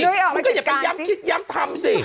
มันก็อย่าไปย้ำคิดย้ำทำสิ